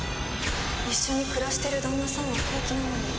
一緒に暮らしてる旦那さんは平気なのに